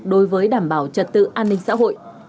đối với đảm bảo trật tự an ninh xã hội